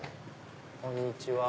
こんにちは。